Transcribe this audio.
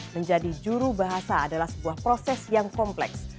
menjadi jurubahasa adalah sebuah proses yang kompleks